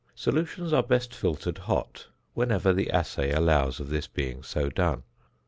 ~ Solutions are best filtered hot whenever the assay allows of this being so done.